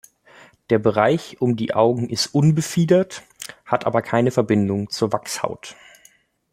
Der Bereich um die Augen ist unbefiedert, hat aber keine Verbindung zur Wachshaut.